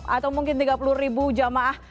atau mungkin tiga puluh ribu jamaah